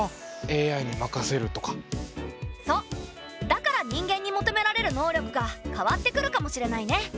だから人間に求められる能力が変わってくるかもしれないね。